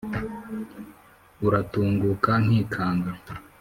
uratunguka nkikanga